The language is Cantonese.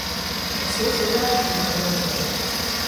食少少啦，墊下個肚